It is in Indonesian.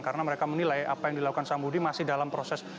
karena mereka menilai apa yang dilakukan sambudi masih dalam proses